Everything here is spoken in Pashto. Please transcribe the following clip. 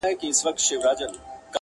o اور په اور وژل کېږي!